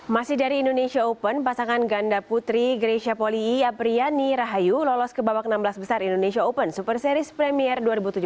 masih dari indonesia open pasangan ganda putri grecia poliyi apriyani rahayu lolos ke babak enam belas besar indonesia open super series premier dua ribu tujuh belas